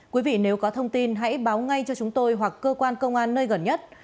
quý vị nếu có thông tin hãy báo ngay cho chúng tôi hoặc cơ quan công an nơi gần nhất